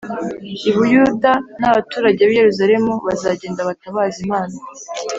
i Buyuda n abaturage b i Yerusalemu bazagenda batabaze imana